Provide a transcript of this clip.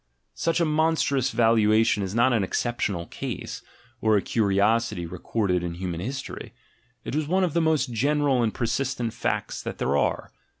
Such a monstrous valuation is not an exceptional case, or a curiosity recorded in human history: it is one of the most general and persistent facts that there are.